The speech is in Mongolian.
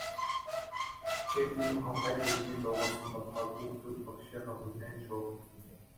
Хичээлийн хонх аль хэдийн дуугарсан болохоор хүүхдүүд багшийгаа хүлээн шуугилдана.